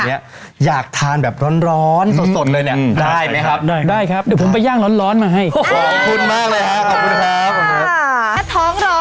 มาแล้วยังฮะมาแล้วมาแล้วมาแล้วไปกันดีกว่าไปกันดีกว่าไปกันดีกว่าไปกันดีกว่าไปกันดีกว่าไปกันดีกว่า